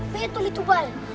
betul itu bal